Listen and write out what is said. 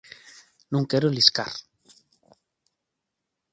Non quero liscar.